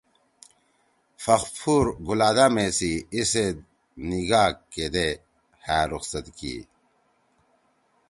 فخفور گلادامے سی ایزید نکاح کیدے ہأ رخصت کی۔